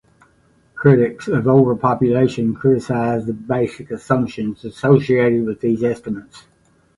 Critics of overpopulation criticize the basic assumptions associated with these estimates.